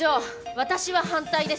私は反対です。